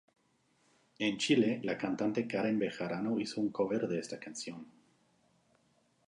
En Chile, la cantante Karen Bejarano hizo un cover de esta canción.